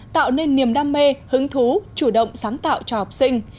tạo nên niềm đam mê hứng thú chủ động sáng tạo cho học sinh